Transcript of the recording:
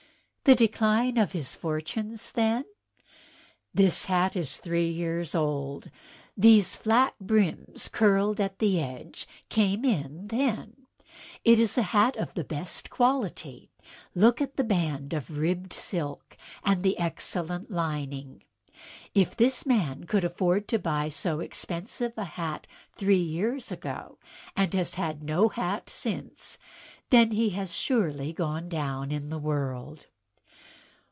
"The decline of his fortunes, then?" "This hat is three years old. These flat brims curled at the edge came in then. It is a hat of the very best quality. Look at the band of ribbed silk and the excellent lining. If this man could afford to buy so expensive a hat three years ago, and has had no hat since, then he has assuredly gone down in the world."